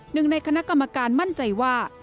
หนึ่งในคณะกรรมการมั่นใจว่า